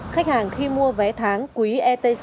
khách hàng khi mua vé tháng quý etc